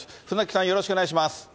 船木さん、よろしくお願いします。